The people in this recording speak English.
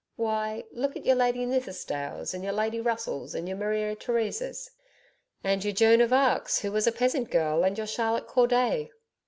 Why, look at your Lady Nithisdales and your Lady Russells and your Maria Theresas....' 'And your Joan of Arc who was a peasant girl and your Charlotte Corday....'